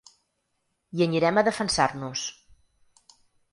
Hi anirem a defensar-nos.